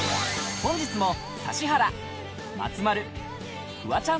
本日も指原松丸フワちゃん